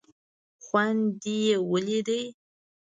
خوند دې یې ولید.